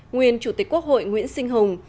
nguyên chủ tịch quốc hội nguyễn sinh hùng